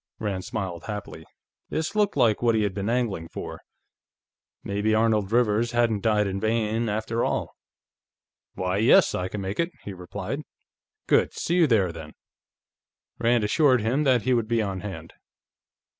Rand smiled happily. This looked like what he had been angling for. Maybe Arnold Rivers hadn't died in vain, after all. "Why, yes; I can make it," he replied. "Good. See you there, then." Rand assured him that he would be on hand.